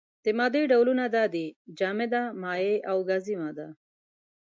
د مادې ډولونه دا دي: جامده، مايع او گازي ماده.